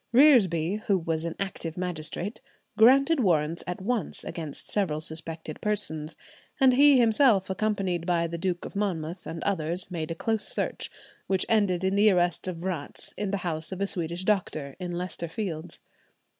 Reresby, who was an active magistrate, granted warrants at once against several suspected persons, and he himself, accompanied by the Duke of Monmouth and others, made a close search, which ended in the arrest of Vratz in the house of a Swedish doctor, in Leicester Fields.